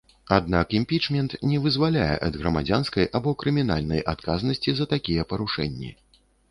Аднак імпічмент не вызваляе ад грамадзянскай або крымінальнай адказнасці за такія парушэнні.